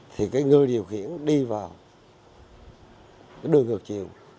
thì cái người điều khiển đi vào cái đường ngược chiều